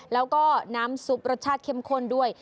แล้วก็น้ำซุปรสชาติเข้มข้นด้วย